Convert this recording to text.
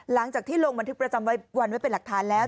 หลังจากที่ลงบันทึกประจำวันไว้เป็นหลักฐานแล้ว